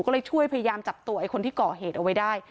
ก็เลยช่วยพยายามจับตัวไอ้คนที่ก่อเหตุเอาไว้ได้